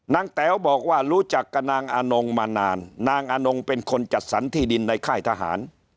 แต๋วบอกว่ารู้จักกับนางอนงมานานนางอนงเป็นคนจัดสรรที่ดินในค่ายทหาร